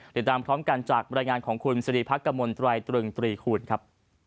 ติดตามพร้อมกันจากบรรยายงานของคุณสิริพักกมลตรายตรึงตรีคูณครับ